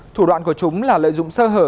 thủ đoạn của chúng là lợi dụng sơ hở